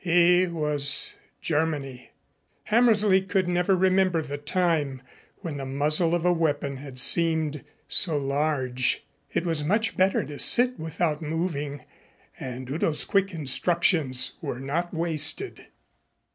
He was Germany. Hammersley could never remember the time when the muzzle of a weapon had seemed so large. It was much better to sit without moving, and Udo's quick instructions were not wasted.